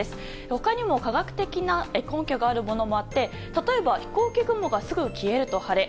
他にも科学的な根拠があるものもあって例えば飛行機雲がすぐ消えると晴れ。